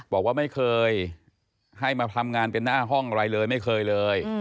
บอกว่าไม่เคยให้มาทำงานกันหน้าห้องอะไรเลยไม่เคยเลย